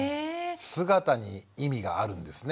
姿に意味があるんですね。